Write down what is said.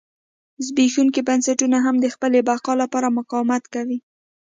زبېښونکي بنسټونه هم د خپلې بقا لپاره مقاومت کوي.